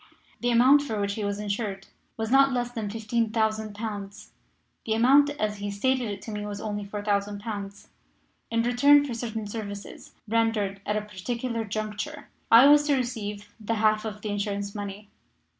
The amount for which he was insured was not less than 15,000 pounds. The amount as he stated it to me was only 4,000 pounds. In return for certain services rendered at a particular juncture I was to receive the half of the insurance money.